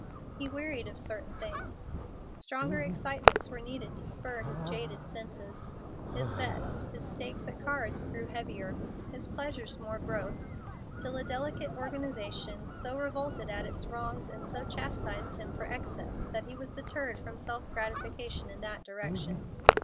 He wearied of certain things. Stronger excitements were needed to spur his jaded senses. His bets, his stakes at cards grew heavier, his pleasures more gross, till a delicate organization so revolted at its wrongs and so chastised him for excess that he was deterred from self gratification in that direction.